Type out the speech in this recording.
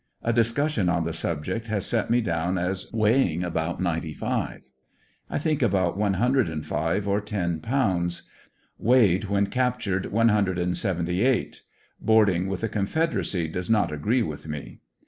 A discussion on the subject has set me down as weighing about ninety five; I think about one hundred and five or ten pounds; weighed when captured one hundred and seventy eight; boarding with the confederacy does not agree with me.